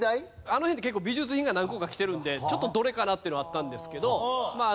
あの辺って結構美術品が何個か来てるんでちょっとどれかなっていうのはあったんですけどまあ